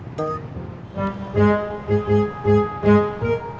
pake santan kagak